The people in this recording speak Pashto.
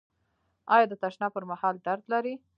ایا د تشناب پر مهال درد لرئ؟